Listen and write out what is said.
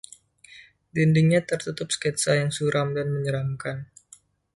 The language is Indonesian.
Dindingnya tertutup sketsa yang suram dan menyeramkan.